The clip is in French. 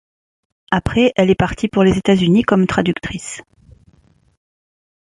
Après, elle est partie pour les États Unis comme traductrice.